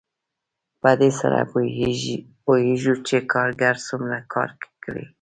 په دې سره پوهېږو چې کارګر څومره کار کړی دی